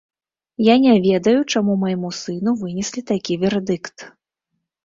Я не ведаю, чаму майму сыну вынеслі такі вердыкт.